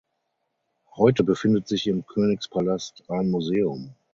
Heute befindet sich im Königspalast ein Museum.